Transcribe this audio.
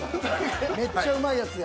めっちゃうまいやつや。